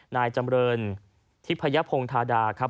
นายจำเรินทิภัยพงศ์ธาระดา